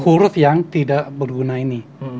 huruf yang tidak berguna ini